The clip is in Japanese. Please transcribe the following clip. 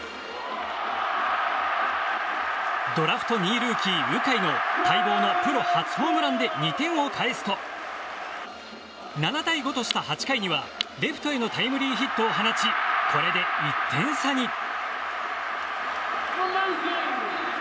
ドラフト２位ルーキー、鵜飼の待望のプロ初ホームランで２点を返すと７対５とした８回にはレフトへのタイムリーヒットを放ちこれで１点差に。